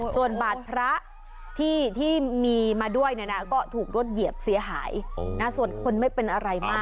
ส่วนบาทพระที่มีมาด้วยเนี่ยนะก็ถูกรถเหยียบเสียหายส่วนคนไม่เป็นอะไรมาก